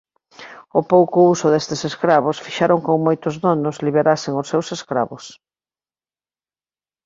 O pouco uso destes escravos fixeron con moitos donos liberasen aos seus escravos.